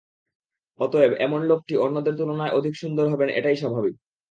অতএব, এমন লোকটি অন্যদের তুলনায় অধিক সুন্দর হবেন এটাই স্বাভাবিক।